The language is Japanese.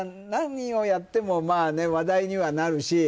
何をやっても話題にはなるし。